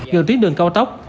gần tuyến đường cao tốc